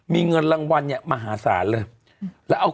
มีเงินรางวัลมหาสารเลย